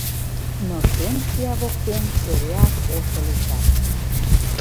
Но шем чия воктен эреак ошо лийшаш.